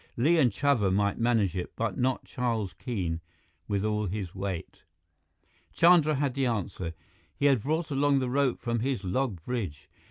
Li and Chuba might manage it; but not Charles Keene, with all his weight. Chandra had the answer. He had brought along the rope from his log bridge.